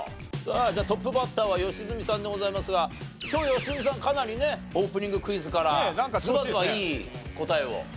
じゃあトップバッターは良純さんでございますが今日良純さんかなりねオープニングクイズからズバズバいい答えを。